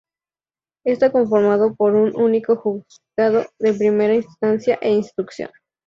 Está conformado por un único juzgado de primera instancia e instrucción.